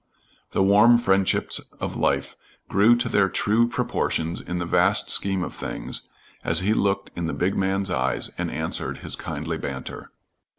The warm friendships of life grew to their true proportions in the vast scheme of things, as he looked in the big man's eyes and answered his kindly banter.